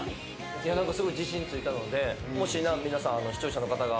いやなんかすごい自信ついたのでもし皆さん視聴者の方が。